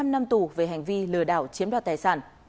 một mươi năm năm tù về hành vi lừa đảo chiếm đoạt tài sản